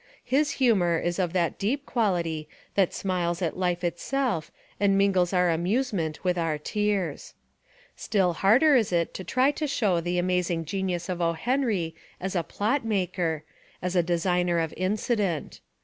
His humour is of that deep quality that smiles at life itself and mingles our amusement with our tears. Still harder is it to try to shew the amazing genius of O. Henry as a "plot maker," as a designer of incident.